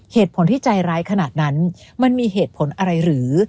เหตุผลที่ใจร้ายขนาดนั้นมันมีเหตุผลอะไรหรือ